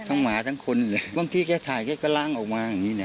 คบทั้งหมาทั้งคนบางทีแค่ถ่ายแค่ล้างออกมาอย่างนี้นะ